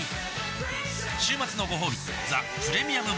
週末のごほうび「ザ・プレミアム・モルツ」